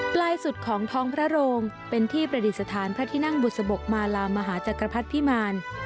ปลายสุดของท้องพระโรงเป็นที่ประดิษฐานพระที่นั่งบุษบกมาลามหาจักรพรรดิพิมาร